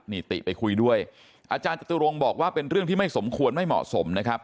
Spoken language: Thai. นี่ติไปคุยด้วยอาจารย์จตุรงค์บอกว่าเป็นเรื่องที่ไม่สมควรไม่เหมาะสมนะครับ